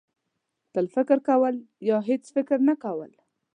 تل فکر کول یا هېڅکله فکر نه کول.